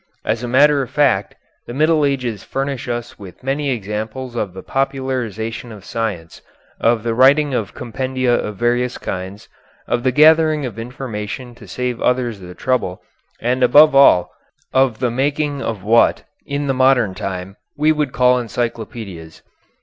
As a matter of fact, the Middle Ages furnish us with many examples of the popularization of science, of the writing of compendia of various kinds, of the gathering of information to save others the trouble, and, above all, of the making of what, in the modern time, we would call encyclopedias.